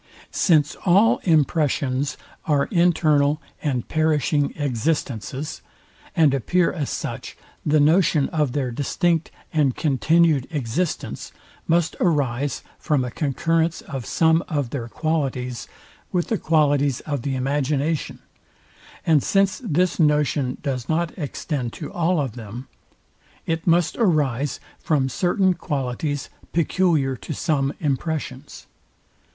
Since all impressions are internal and perishing existences, and appear as such, the notion of their distinct and continued existence must arise from a concurrence of some of their qualities with the qualities of the imagination, and since this notion does not extend to all of them, it must arise from certain qualities peculiar to some impressions.